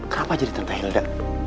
kenapa jadi tante hilda